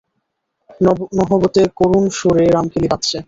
নহবতে করুণ সুরে রামকেলি বাজছে।